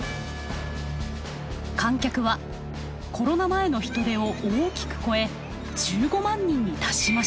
観客はコロナ前の人出を大きく超え１５万人に達しました。